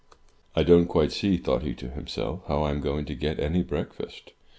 "I don't quite see," thought he to himself, "how I am to get any breakfast!